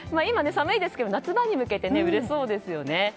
今、寒いですけど夏場に向けて売れそうですよね。